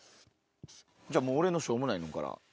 じゃあ俺のしょうもないのから。